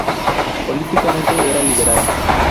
Políticamente, era liberal.